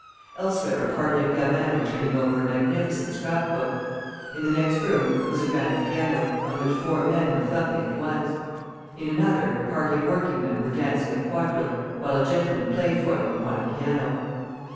Elsewhere a party of gamins were turning over a magnificent scrapbook. In the next room was a grand piano, on which four men were thumping at once. In another, a party of working men were dancing a quadrille, while a gentleman played for them upon a piano.